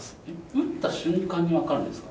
打った瞬間に分かるんですか？